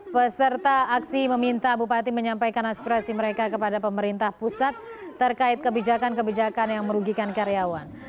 peserta aksi meminta bupati menyampaikan aspirasi mereka kepada pemerintah pusat terkait kebijakan kebijakan yang merugikan karyawan